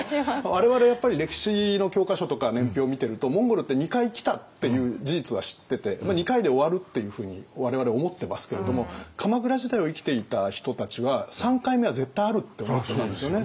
我々やっぱり歴史の教科書とか年表を見てるとモンゴルって２回来たっていう事実は知ってて２回で終わるっていうふうに我々思ってますけれども鎌倉時代を生きていた人たちは３回目は絶対あるって思ってたんですよね。